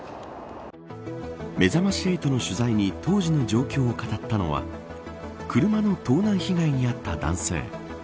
めざまし８の取材に当時の状況を語ったのは車の盗難被害に遭った男性。